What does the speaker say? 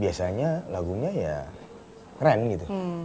biasanya lagunya ya keren gitu